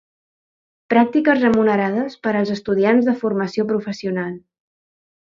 Pràctiques remunerades per als estudiants de formació professional.